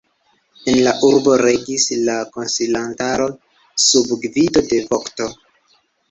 En la urbo regis la konsilantaro sub gvido de vokto.